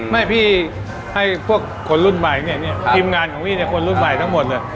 ไม่พี่ให้พวกคนรุ่นใหม่เนี่ยทีมงานของพี่เนี่ยคนรุ่นใหม่ทั้งหมดเนี่ย